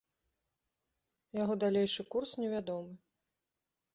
Яго далейшы курс невядомы.